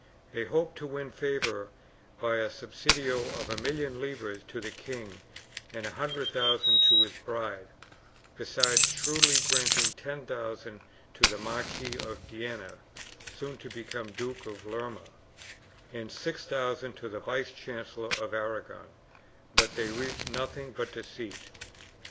They hoped to win favor by a subsidio of a million libras to the king and a hundred thousand to his bride, besides shrewdly granting ten thousand to the Marquis of Denia (soon to become Duke of Lerma) and six thousand to the Vice chancellor of Aragon,2 but they reaped nothing but deceit.